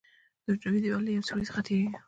د حجروي دیوال له یو سوري څخه تېریږي.